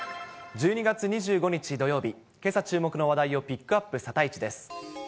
１２月２５日土曜日、けさ注目の話題をピックアップ、サタイチです。